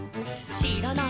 「しらない